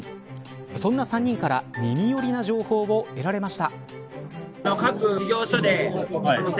そんな３人から耳寄りな情報を得られました。